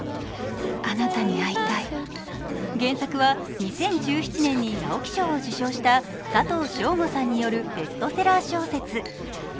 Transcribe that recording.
原作は２０１７年に直木賞を受賞した佐藤正午さんによるベストセラー小説。